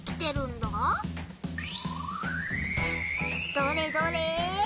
どれどれ？